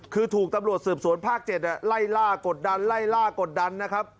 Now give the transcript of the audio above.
คือถูกตำรวจสืบสวนภาค๗ไล่ล่ากดดันไล่ล่ากดดันนะครับ